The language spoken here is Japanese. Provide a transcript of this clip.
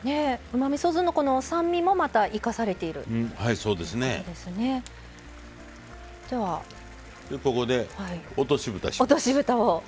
うまみそ酢の酸味もまた生かされているということですね。